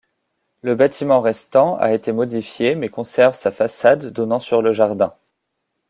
Le bâtiment restant a été modifié mais conserve sa façade donnant sur le jardin.